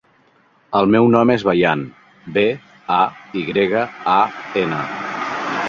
El meu nom és Bayan: be, a, i grega, a, ena.